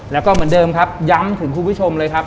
แล้วก็เหมือนเดิมครับย้ำถึงคุณผู้ชมเลยครับ